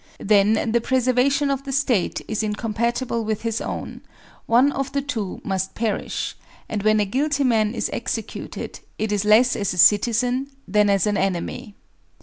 Then the preserva tion of the State is incompatible with his own — one of the two must perish; and when a guilty man is executed. 30 THE SOCIAL CONTRACT it is less as a citizen than as an enemy.